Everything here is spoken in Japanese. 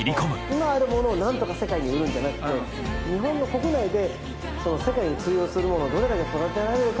今あるものをなんとか世界に売るんじゃなくて日本の国内で世界に通用するものをどれだけ育てられるか。